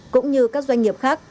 cũng như các doanh nghiệp khác